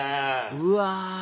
うわ！